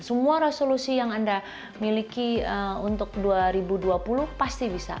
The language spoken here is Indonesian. semua resolusi yang anda miliki untuk dua ribu dua puluh pasti bisa